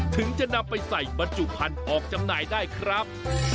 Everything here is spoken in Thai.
ถึงจะนำไปใส่บรรจุพันธุ์ออกจำหน่ายได้ครับ